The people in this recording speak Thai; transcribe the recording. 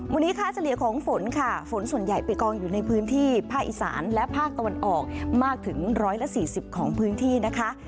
วันนี้ค่าเฉลี่ยของฝนค่ะฝนส่วนใหญ่ไปกองอยู่ในพื้นที่ภาคอีสานและภาคตะวันออกมากถึง๑๔๐ของพื้นที่นะคะ